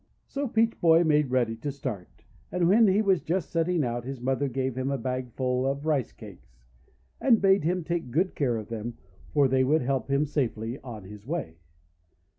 So Peach Boy made ready to start, and when he was just setting out his mother gave him a bag full of Rice Cakes, and bade him take good care of them, for they would help him safely on his way.